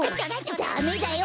ダメだよ！